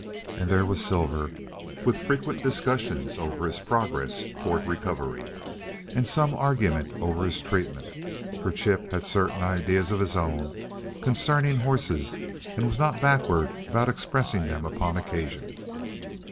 And there was Silver, with frequent discussions over his progress toward recovery and some argument over his treatment for Chip had certain ideas of his own concerning horses, and was not backward about expressing them upon occasion.